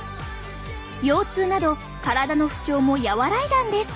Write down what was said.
腰痛など体の不調も和らいだんです。